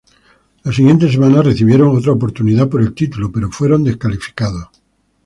La siguiente semana recibieron otra oportunidad por el título, pero fueron descalificados.